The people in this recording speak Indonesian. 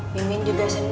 mimin juga seneng